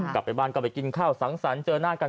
กลับไปบ้านก็ไปกินข้าวสังสรรค์เจอหน้ากัน